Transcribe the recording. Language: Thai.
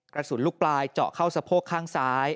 ลูกปลายเจาะเข้าสะโพกข้างซ้าย